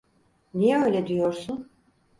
Niye öyle diyorsun?